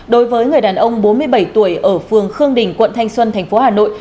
đối với người đàn ông bốn mươi bảy tuổi ở phường khương đình quận thanh xuân thành phố hà nội